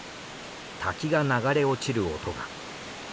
滝が流れ落ちる音が。